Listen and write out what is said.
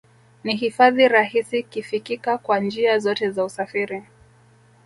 Ni hifadhi rahisi kifikika kwa njia zote za usafiri